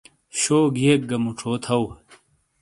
شوگھیئک گا موچھو تھؤ۔